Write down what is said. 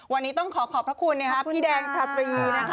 วันนี้ต้องขอขอบพระคุณพี่แดงชาตรีนะคะ